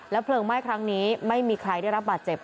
เพลิงไหม้ครั้งนี้ไม่มีใครได้รับบาดเจ็บ